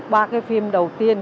ba cái phim đầu tiên